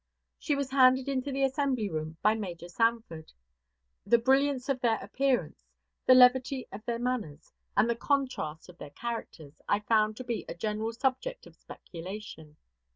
She was handed into the assembly room by Major Sanford. The brilliance of their appearance, the levity of their manners, and the contrast of their characters I found to be a general subject of speculation.